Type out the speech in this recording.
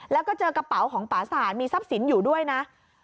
แล้วก็เจอกระเป๋าของปราศาสตร์มีทรัพย์สินอยู่ด้วยนะ